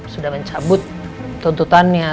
sudah mencabut tuntutannya